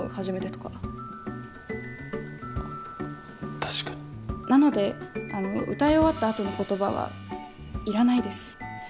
「初めて」とか確かになのであの歌い終わったあとの言葉はいらないです